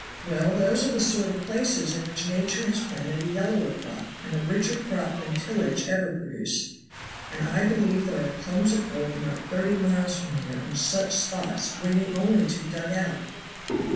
"Well, those are the sort of places in which nature has planted a yellower crop and a richer crop than tillage ever produced. And I believe there are plums of gold not thirty miles from here in such spots waiting only to be dug out."